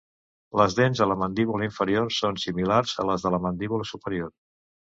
Les dents a la mandíbula inferior són similars a les de la mandíbula superior.